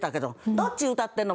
どっち歌ってるの？